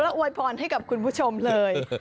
อวยพรให้กับคุณผู้ชมเลย